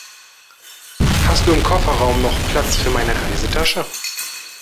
Hast du im Kofferraum noch Platz für meine Reisetasche?